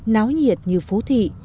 náo nhiệt như phố thị